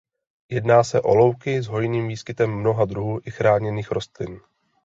Jedná se o louky s hojným výskytem mnoha druhů i chráněných rostlin.